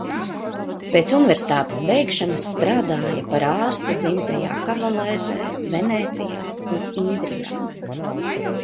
Pēc universitātes beigšanas strādāja par ārstu dzimtajā Kavalēzē, Venēcijā un Idrijā.